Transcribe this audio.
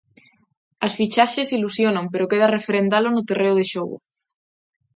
As fichaxes ilusionan pero queda referendalo no terreo de xogo.